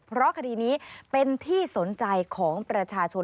เพราะคดีนี้เป็นที่สนใจของประชาชน